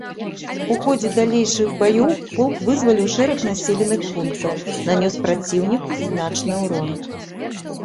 У ходзе далейшых баёў полк вызваліў шэраг населеных пунктаў, нанёс праціўніку значны ўрон.